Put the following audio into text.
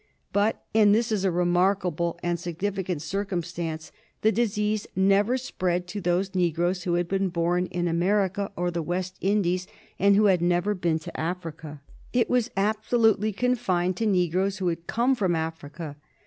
But, and this is a remarkable and signifi cant circumstance, the disease never spread to those negroes who had been born in America or the West Indies and who had never been to Africa. It was absolutely confined to negroes who had come from Africa.